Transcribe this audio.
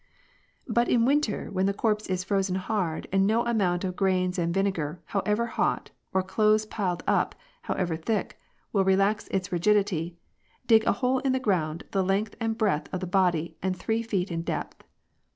" But in winter, when the corjise is frozen hard, and no amount of grains and vinegar, however hot, or clothes piled up, however thick, will relax its rigidity, dig a hole in the ground of the length and breadth of the body and three feet in depth.